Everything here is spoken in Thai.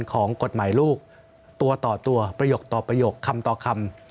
ของกฎหมายลูกตัวต่อตัวประโยคต่อประโยคคำต่อคำ